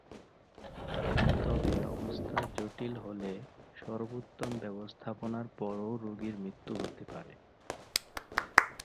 তবে অবস্থা জটিল হলে সর্বোত্তম ব্যবস্থাপনার পরও রোগীর মৃত্যু হতে পারে।